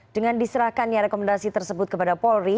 dengan diserahkan rekomendasi tersebut kepada polri